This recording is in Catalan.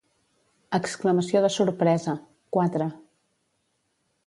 Exclamació de sorpresa; quatre.